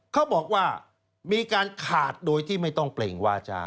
เขาบอกว่ามีการขาดโดยที่ไม่ต้องเปล่งวาจา